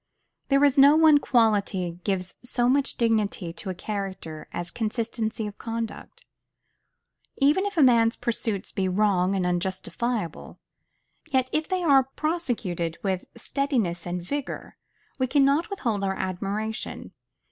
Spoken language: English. There is no one quality gives so much dignity to a character as consistency of conduct. Even if a man's pursuits be wrong and unjustifiable, yet if they are prosecuted with steadiness and vigor, we cannot withhold our admiration.